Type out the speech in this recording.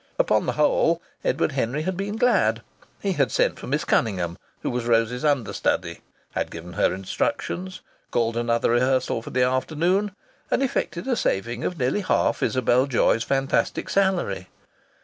Upon the whole Edward Henry had been glad. He had sent for Miss Cunningham, who was Rose's understudy, had given her her instructions, called another rehearsal for the afternoon, and effected a saving of nearly half Isabel Joy's fantastic salary.